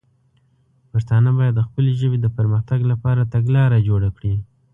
پښتانه باید د خپلې ژبې د پر مختګ لپاره تګلاره جوړه کړي.